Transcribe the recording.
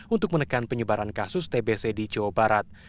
untuk menekan penyebaran kasus tbc di jawa barat